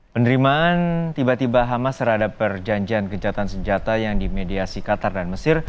penerimaan tiba tiba hamas terhadap perjanjian gencatan senjata yang dimediasi qatar dan mesir